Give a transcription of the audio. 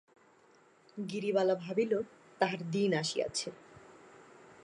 গিরিবালা ভাবিল তাহার দিন আসিয়াছে।